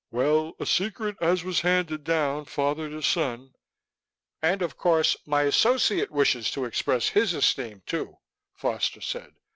"Well, a secret as was handed down father to son...." "And, of course, my associate wishes to express his esteem, too," Foster said.